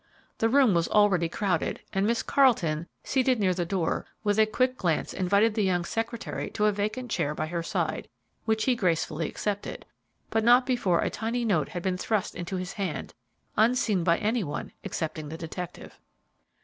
The room was already crowded, and Miss Carleton, seated near the door, with a quick glance invited the young secretary to a vacant chair by her side, which he gracefully accepted, but not before a tiny note had been thrust into his hand, unseen by any one excepting the detective.